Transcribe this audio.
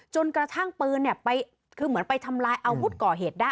จนกระทั่งปืนคือเหมือนไปทำลายอาวุธก่อเหตุได้